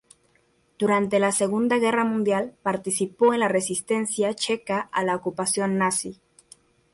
Durante la Segunda Guerra Mundial participó en la Resistencia checa a la ocupación nazi.